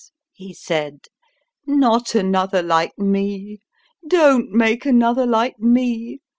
he said : Not another like me. Don t make another like me.